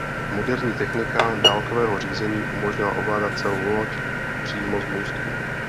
Moderní technika dálkového řízení umožnila ovládat celou loď přímo z můstku.